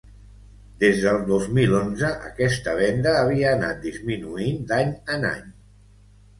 Des del dos mil onze, aquesta venda havia anat disminuint d’any en any.